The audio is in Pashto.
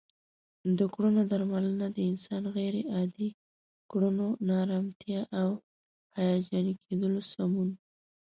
د کړنو درملنه د انسان غیر عادي کړنو، ناآرامتیا او هیجاني کیدلو سمون